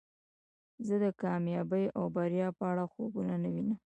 زه د کامیابی او بریا په اړه خوبونه نه وینم